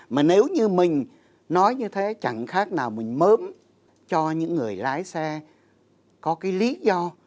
mà nếu như mình nói như thế chẳng khác nào mình mớm cho những người lái xe có cái lý do